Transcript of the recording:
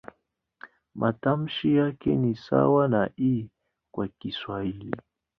Matamshi yake ni sawa na "i" kwa Kiswahili.